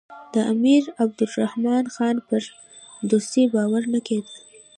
د امیر عبدالرحمن خان پر دوستۍ باور نه کېده.